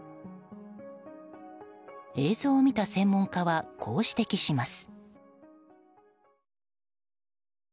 映像を見た専門家はこう指摘します。